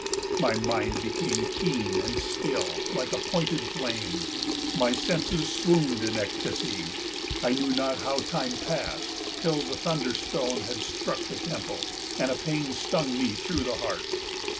My mind became keen and still like a pointed flame, my senses swooned in ecstasy. I knew not how time passed till the thunderstone had struck the temple, and a pain stung me through the heart.